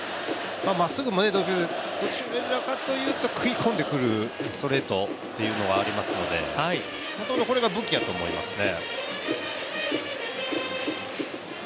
まっすぐもどちらかというと食い込んでくるストレートというのがありますのでこれが武器だと思いますね。